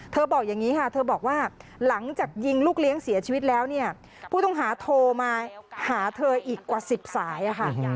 บอกอย่างนี้ค่ะเธอบอกว่าหลังจากยิงลูกเลี้ยงเสียชีวิตแล้วเนี่ยผู้ต้องหาโทรมาหาเธออีกกว่า๑๐สายอะค่ะ